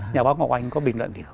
nhà báo ngọc oanh có bình luận gì không